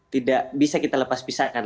tidak bisa kita lepas pisahkan